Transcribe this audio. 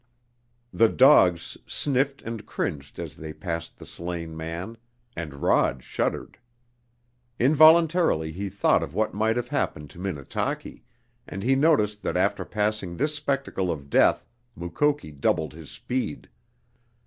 The dogs sniffed and cringed as they passed the slain man, and Rod shuddered. Involuntarily he thought of what might have happened to Minnetaki, and he noticed that after passing this spectacle of death Mukoki doubled his speed.